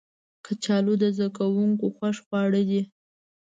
کچالو د زده کوونکو خوښ خواړه دي